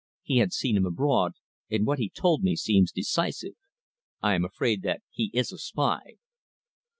He had seen him abroad, and what he told me seems decisive. I am afraid that he is a spy."